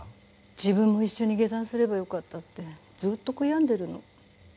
自分も一緒に下山すればよかったってずっと悔やんでるの。